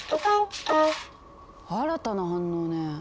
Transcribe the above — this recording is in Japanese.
新たな反応ね。